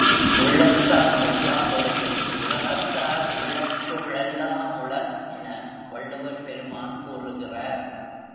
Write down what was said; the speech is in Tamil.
உள்ளத்தாற் பொய்யா தொழுகின் உலகத்தார் உள்ளத்து ளெல்லா முளன் என வள்ளுவர் பெருமான் கூறுகிறார்.